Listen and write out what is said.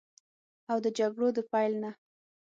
او د جګړو د پیل نه